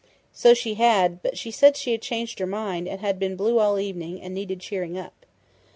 "So she had, but she said she changed her mind, had been blue all evening, and needed cheering up."